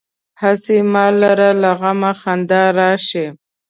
هسې ما لره له غمه خندا راشي.